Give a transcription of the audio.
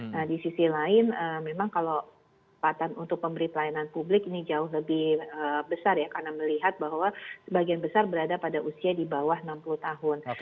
nah di sisi lain memang kalau tempatan untuk memberi pelayanan publik ini jauh lebih besar ya karena melihat bahwa sebagian besar berada pada usia di bawah enam puluh tahun